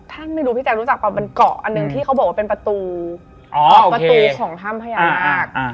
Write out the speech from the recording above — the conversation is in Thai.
ถ้าไม่รู้พี่แจ๊กรู้จักปกเป็นเกาะบอกว่าเป็นประตูค่องถ้ามทรายาคต